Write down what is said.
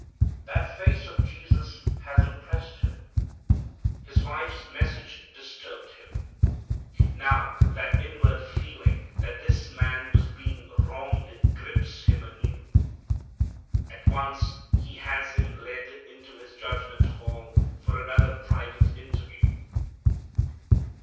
That face of Jesus had impressed him. His wife's message disturbed him. Now that inward feeling that this man was being wronged grips him anew. At once he has Him led into his judgment hall for another private interview.